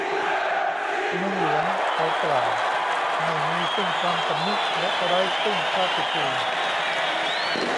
เมืองหลวง เขากล่าว ไม่มีซึ่งความสำนึกและไร้ซึ่งชาติภูมิ